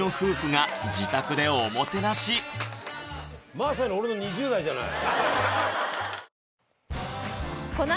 まさに俺の２０代じゃない！